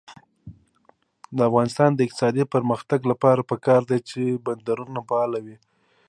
د افغانستان د اقتصادي پرمختګ لپاره پکار ده چې بندرونه فعال وي.